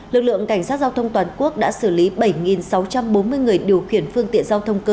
lực lượng cảnh sát giao thông toàn quốc đã xử lý bảy sáu trăm bốn mươi người điều khiển phương tiện giao thông cơ sở